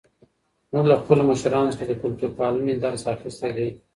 موږ له خپلو مشرانو څخه د کلتور پالنې درس اخیستی دی.